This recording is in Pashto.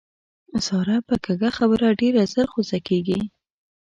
ساره په کږه خبره ډېره زر غوسه کېږي.